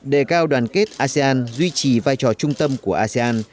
đề cao đoàn kết asean duy trì vai trò trung tâm của asean